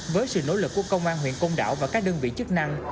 với sự nỗ lực của công an huyện công đảo và các đơn vị chức năng